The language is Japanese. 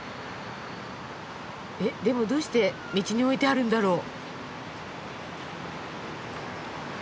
えっでもどうして道に置いてあるんだろう？